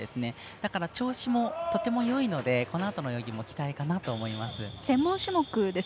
だから調子もとてもいいのでこのあとの泳ぎも期待かなと思います。